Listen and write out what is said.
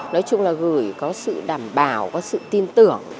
nói chung là gửi có sự đảm bảo có sự tin tưởng